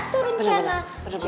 tetap ngatur rencana